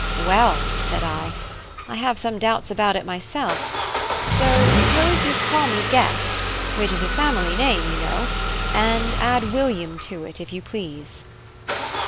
"Well," said I, "I have some doubts about it myself; so suppose you call me Guest, which is a family name, you know, and add William to it if you please."